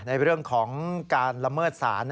ในเรื่องของการละเมิดศาล